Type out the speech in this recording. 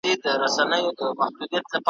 خو د کاظم خان شیدا شعر `